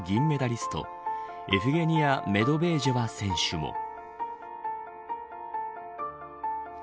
メダリストエフゲニア・メドベージェワ選手も。